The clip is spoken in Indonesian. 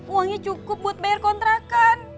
uangnya cukup buat bayar kontrakan